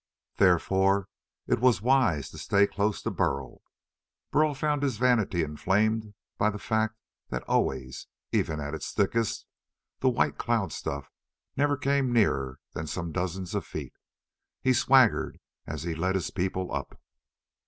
Therefore it was wise to stay close to Burl. Burl found his vanity inflamed by the fact that always even at its thickest the white cloud stuff never came nearer than some dozens of feet. He swaggered as he led his people up.